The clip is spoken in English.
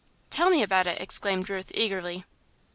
"Tell me about it!" exclaimed Ruth, eagerly.